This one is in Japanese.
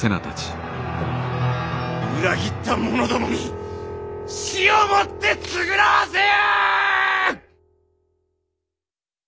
裏切った者どもに死をもって償わせよ！